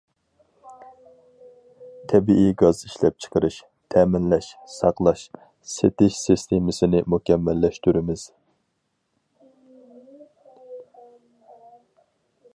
تەبىئىي گاز ئىشلەپچىقىرىش، تەمىنلەش، ساقلاش، سېتىش سىستېمىسىنى مۇكەممەللەشتۈرىمىز.